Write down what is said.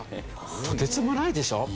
とてつもないでしょ？